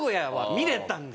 見れたんだ